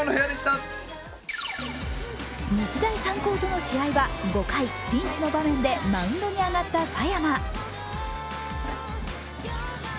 日大三高との試合は５回、ピンチの場面でマウンドに上がった佐山。